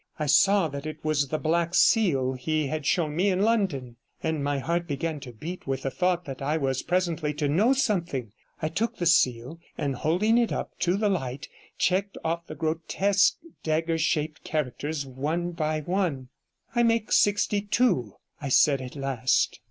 I saw that it was the black seal he had shown me in London, and my heart began to beat with the thought that I was presently to know something. I took the seal, and, holding it up to the light, checked off the grotesque dagger shaped characters one by one. 'I make sixty two,' I said at last.